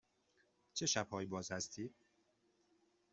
چه شب هایی باز هستید؟